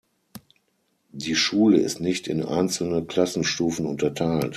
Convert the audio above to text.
Die Schule ist nicht in einzelne Klassenstufen unterteilt.